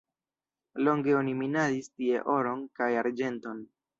Longe oni minadis tie oron kaj arĝenton.